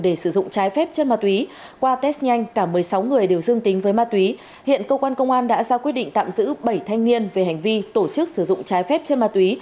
đã bắt quả tang với ma túy hiện cơ quan công an đã ra quyết định tạm giữ bảy thanh niên về hành vi tổ chức sử dụng trái phép chất ma túy